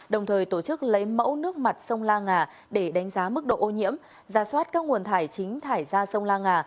đồng thời tổ chức lấy mẫu nước mặt sông la ngà để đánh giá mức độ ô nhiễm ra soát các nguồn thải chính thải ra sông la nga